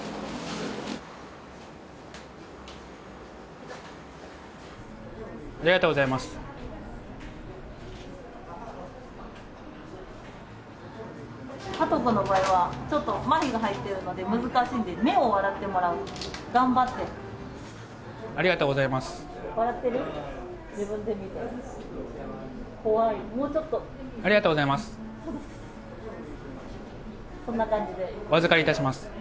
ありがとうございます。